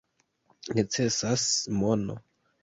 Necesas mono.